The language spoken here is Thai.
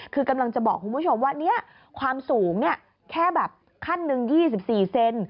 คือกำลังจะบอกคุณผู้ชมว่าความสูงแค่แบบขั้นหนึ่ง๒๔เซน